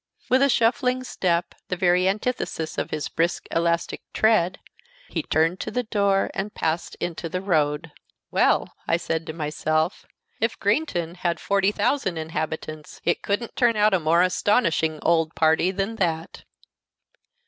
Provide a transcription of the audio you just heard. With a shuffling step, the very antithesis of his brisk, elastic tread, he turned to the door and passed into the road. "Well," I said to myself, "if Greenton had forty thousand inhabitants, it couldn't turn out a more astonishing old party than that!"